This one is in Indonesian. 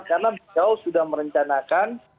karena beliau sudah merencanakan